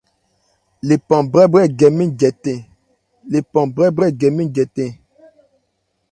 Lephan brɛ́brɛ gɛ mɛ́n jɛtɛ̂n.